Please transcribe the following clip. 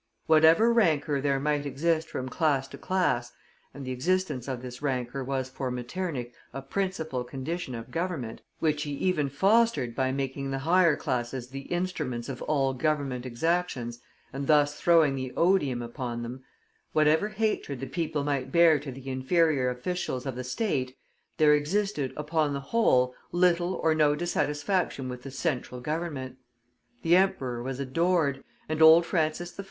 Whatever rancour there might exist from class to class and the existence of this rancour was for Metternich a principal condition of government, which he even fostered by making the higher classes the instruments of all Government exactions, and thus throwing the odium upon them whatever hatred the people might bear to the inferior officials of the State, there existed, upon the whole, little or no dissatisfaction with the Central Government. The Emperor was adored, and old Francis I.